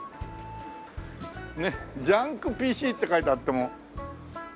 ねっ「ジャンクＰＣ」って書いてあっても。